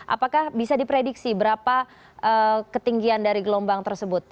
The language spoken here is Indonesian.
apakah bisa diprediksi berapa ketinggian dari gelombang tersebut